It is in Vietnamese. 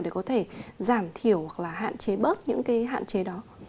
để có thể giảm thiểu hoặc là hạn chế bớt những cái hạn chế đó